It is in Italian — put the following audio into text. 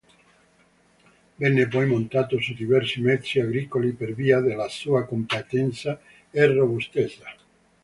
Venne poi montato su diversi mezzi agricoli per via della sua compattezza e robustezza.